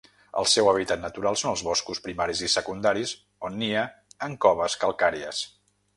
El seu hàbitat natural són els boscos primaris i secundaris, on nia en coves calcàries.